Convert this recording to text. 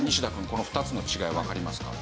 この２つの違いわかりますか？